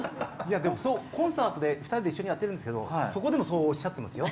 コンサートで２人で一緒にやってるんですけどそこでもそうおっしゃっていますよ。